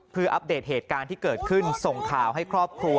เพื่ออัปเดตเหตุการณ์ที่เกิดขึ้นส่งข่าวให้ครอบครัว